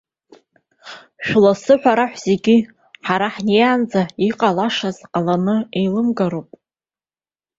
Шәласы ҳәа раҳәа зегьы, ҳа ҳнеиаанӡа иҟалаша ҟаланы еилымгароуп.